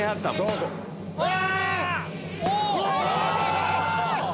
うわ！